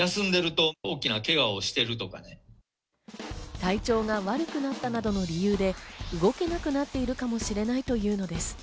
体調が悪くなったなどの理由で動けなくなっているかもしれないというのです。